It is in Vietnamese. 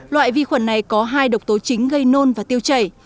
loại vi khuẩn này có hai độc tố chính gây nôn và tiêu chảy